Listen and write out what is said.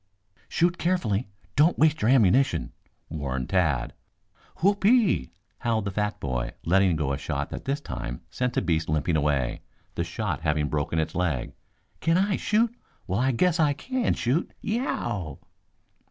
"Shoot carefully. Don't waste your ammunition," warned Tad. "Whoope e e e!" howled the fat boy, letting go a shot that this time sent a beast limping away, the shot having broken its leg. "Can I shoot? Well, I guess I can shoot. Y e o w!"